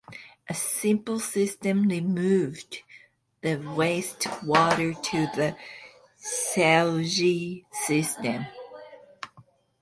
A simple system removed the waste water to the sewage system.